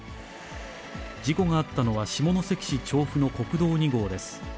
事故があったのは、下関市長府の国道２号です。